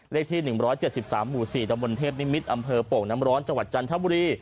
เลขที่๑๗๓หู๔ตมเทพนิมิตรอำเภอปกน้ำร้อนจจันทร์ชม